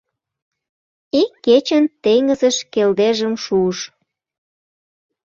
Ик кечын теҥызыш келдежым шуыш